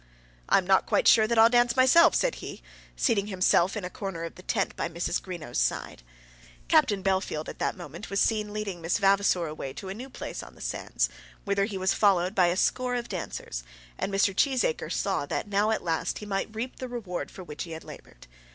"I'm not quite sure that I'll dance myself," said he, seating himself in a corner of the tent by Mrs. Greenow's side. Captain Bellfield at that moment was seen leading Miss Vavasor away to a new place on the sands, whither he was followed by a score of dancers; and Mr. Cheesacre saw that now at last he might reap the reward for which he had laboured.